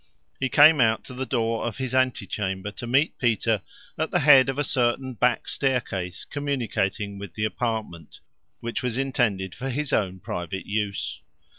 He came out to the door of his antechamber to meet Peter at the head of a certain back staircase communicating with the apartment, which was intended for his own private use.